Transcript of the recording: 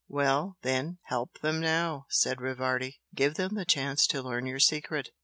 "Well, then, help them now," said Rivardi "Give them the chance to learn your secret!"